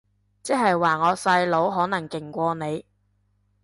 即係話我細佬可能勁過你